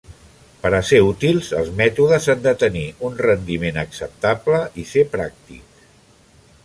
Per a ser útils, els mètodes han de tenir un rendiment acceptable i ser pràctics.